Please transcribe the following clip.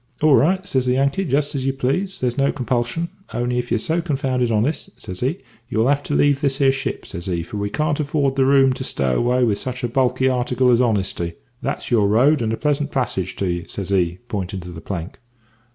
"`Ah right,' says the Yankee; `just as you please; there's no compulsion; only if you're so confounded honest,' says he, `you'll have to leave this here ship,' says he, `for we can't afford the room to stow away sich a bulky article as honesty. That's your road, and a pleasant passage to ye,' says he, pointin' to the plank.